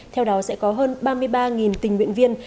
theo đó sẽ có hơn ba mươi ba tình nguyện viên